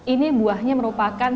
ini buahnya merupakan